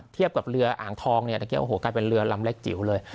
เทียบกับเรืออ่างทองเนี่ยตะเกียโอ้โหกลายเป็นเรือลำเล็กจิ๋วเลย